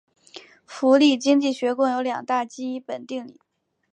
福利经济学共有两大基本定理。